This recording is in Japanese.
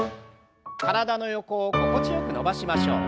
体の横を心地よく伸ばしましょう。